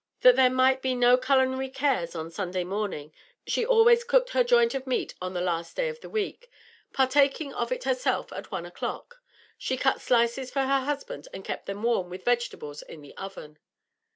That there might be no culinary cares on Sunday morning, she always cooked her joint of meat on the last day of the week; partaking of it herself at one o'clock, she cut slices for her husband and kept them warm, with vegetables, in the oven.